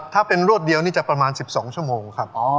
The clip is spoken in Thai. ถ้าเป็นรวดเดียวนี่จะประมาณ๑๒ชั่วโมงครับ